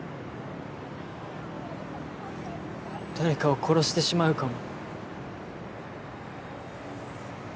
誰かを殺してしまうかも。